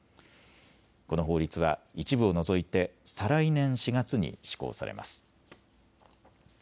この法律は一部を除いて再来年４月に施行されます。